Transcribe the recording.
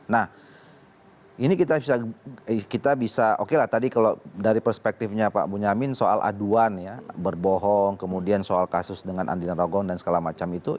nah ini kita bisa oke lah tadi kalau dari perspektifnya pak bunyamin soal aduan ya berbohong kemudian soal kasus dengan andina rogong dan segala macam itu